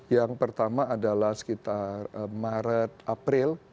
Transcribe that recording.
yang pertama adalah sekitar maret april